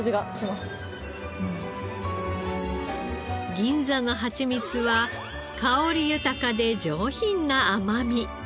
銀座のハチミツは香り豊かで上品な甘み。